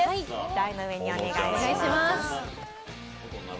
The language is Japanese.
台の上にお願いします。